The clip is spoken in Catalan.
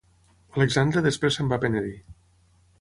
Alexandre després se'n va penedir.